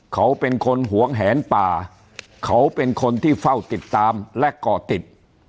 เขาเป็นคนหวงแหนป่าเขาเป็นคนที่เฝ้าติดตามและก่อติด